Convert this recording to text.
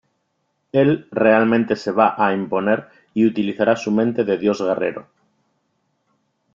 Él realmente se va a imponer y utilizará su mente de dios guerrero".